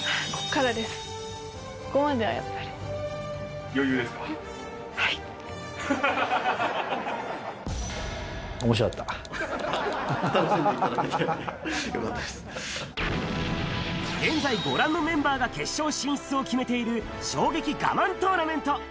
楽しんでいただけてよかった現在、ご覧のメンバーが決勝進出を決めている衝撃我慢トーナメント。